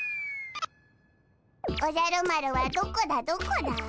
おじゃる丸はどこだどこだ？